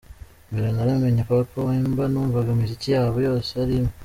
Mbere ntaramenya Papa Wemba numvaga imiziki yabo yose ari imwe.